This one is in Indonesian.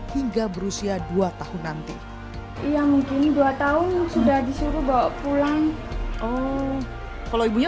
hingga berusia dua tahun nanti ia mungkin dua tahun sudah disuruh bawa pulang oh kalau ibunya